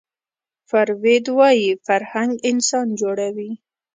فروید وايي فرهنګ انسان جوړوي